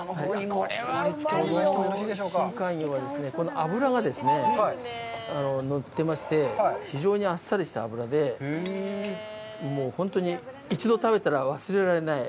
この深海魚は脂がのってまして、非常にあっさりした脂で、もう本当に一度食べたら忘れられない。